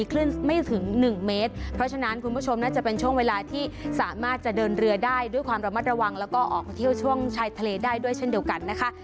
คลื่นไม่ถึงหนึ่งเมตรเพราะฉะนั้นคุณผู้ชมน่าจะเป็นช่วงเวลาที่สามารถจะเดินเรือได้ด้วยความระมัดระวังแล้วก็ออกมาเที่ยวช่วงชายทะเลได้ด้วยเช่นเดียวกันนะคะ